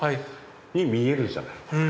に見えるじゃないですか。